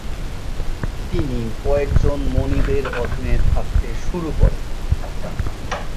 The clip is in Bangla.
তিনি কয়েকজন মনিবের অধীনে থাকতে শুরু করেন।